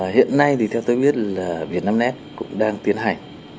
hiện nay thì theo tôi biết là việt nam net cũng đang tiến hành